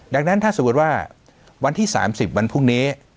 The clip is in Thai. ดังนั้นถ้าสมมติว่าวันที่๓๐วันพรุ่งนี้